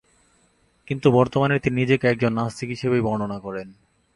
কিন্তু বর্তমানে তিনি নিজেকে একজন নাস্তিক হিসেবেই বর্ণনা করেন।